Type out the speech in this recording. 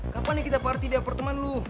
kapan nih kita parti di apartemen lu